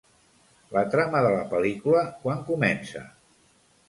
La trama de la pel·lícula, quan comença?